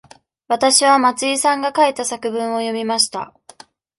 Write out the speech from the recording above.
わたしは松井さんが書いた作文を読みました。